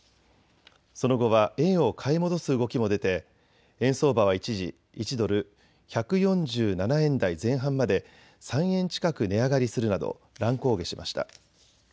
その後は円を買い戻す動きも出て円相場は一時、１ドル１４７円台前半まで３円近く値上がりするなど乱高下しました。